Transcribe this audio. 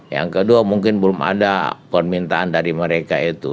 yang kedua mungkin belum ada permintaan dari mereka itu